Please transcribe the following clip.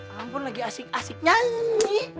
ampun lagi asik asik nyanyi